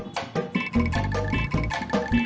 ga sudah buat abis